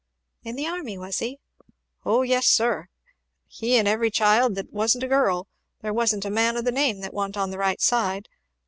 "In the army, was he?" "Ho yes, sir! he and every child he had that wasn't a girl there wasn't a man of the name that wa'n't on the right side.